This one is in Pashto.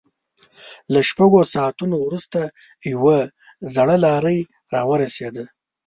له شپږو ساعتونو وروسته يوه زړه لارۍ را ورسېده.